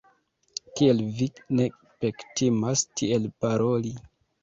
Kiel vi ne pektimas tiel paroli!